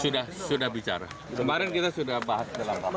sudah sudah bicara kemarin kita sudah bahas dalam rapat